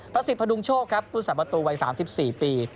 พระศิษฐ์พระดุงโชคครับผู้สรรพตูวัย๓๔ปี